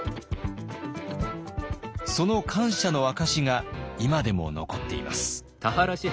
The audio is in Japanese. その感謝の証しが今でも残っています。